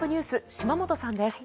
島本さんです。